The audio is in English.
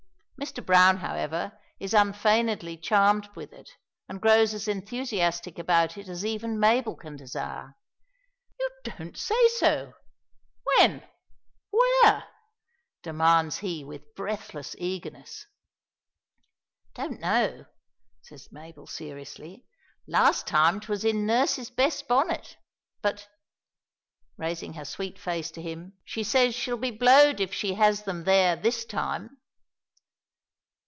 Mr. Browne, however, is unfeignedly charmed with it, and grows as enthusiastic about it as even Mabel can desire. "You don't say so! When? Where?" demands he with breathless eagerness. "Don't know," says Mabel seriously. "Last time 'twas in nurse's best bonnet; but," raising her sweet face to his, "she says she'll be blowed if she has them there this time!"